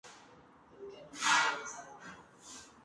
En sus inicios fue una sinagoga.